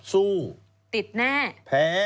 สู้ติดแน่แพ้